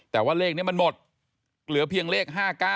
แต่ว่าเลขนี้มันหมดเหลือเพียงเลข๕๙